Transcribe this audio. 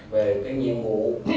về cái nhiệm vụ